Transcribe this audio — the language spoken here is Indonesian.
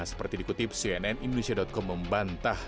seperti dikutip cnn indonesia com membantah